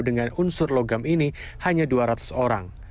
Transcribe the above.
dengan unsur logam ini hanya dua ratus orang